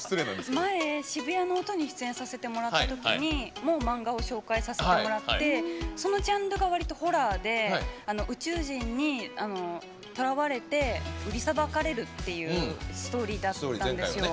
前、「シブヤノオト」に出演させてもらったときにもマンガを紹介させてもらってそのジャンルがわりとホラーで宇宙人にとらわれて売りさばかれるっていうストーリーだったんですよ。